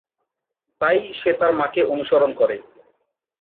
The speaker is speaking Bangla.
তাই সে তার মাকে অনুসরণ করে।